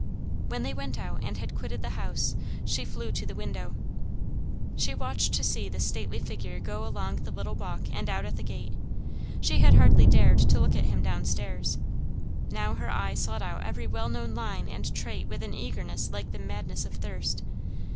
When they went out and had quitted the house, she flew to the window. She watched to see the stately figure go along the little walk and out at the gate; she had hardly dared to look at him down stairs. Now her eye sought out every well known line and trait with an eagerness like the madness of thirst.